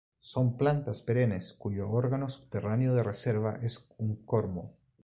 Son plantas perennes cuyo órgano subterráneo de reserva es un cormo.